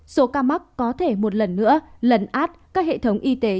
số ca mắc có thể một lần nữa lấn át các hệ thống y tế